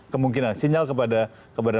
kemungkinan sinyal kepada